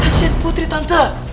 kasian putri tante